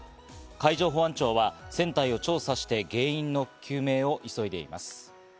海上保安庁は船体を調査して原因の究明を急いでいます。